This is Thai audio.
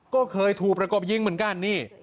ก็เคยถูกประกบยิงเหมือนกันนี่